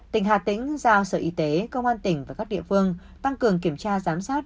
tỉnh hà tĩnh giao sở y tế công an tỉnh và các địa phương tăng cường kiểm tra giám sát